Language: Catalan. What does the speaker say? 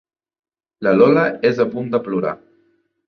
La Lola és a punt de plorar.